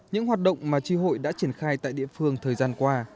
những hoạt động mà tri hội đã triển khai tại địa phương thời gian qua